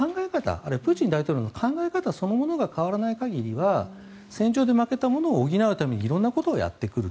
あるいはプーチン大統領の考え方そのものが変わらない限りは戦場で負けたものを補うために色んなことをやってくると。